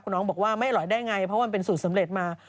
น้องบอกว่าไม่อร่อยได้ไงเพราะว่ามันเป็นสูตรสำเร็จมา